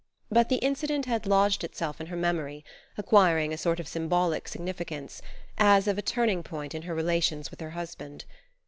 But the incident had lodged itself in her memory, acquiring a sort of symbolic significance, as of a turning point in her relations with her husband.